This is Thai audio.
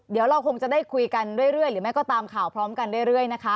เดี๋ยวเราคงจะได้คุยกันเรื่อยหรือไม่ก็ตามข่าวพร้อมกันเรื่อยนะคะ